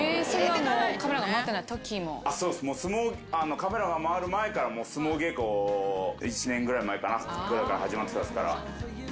カメラが回る前から相撲稽古を１年ぐらい前かな。ぐらいから始まってたっすから。